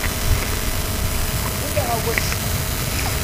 Teqbel aɣawas-nneɣ.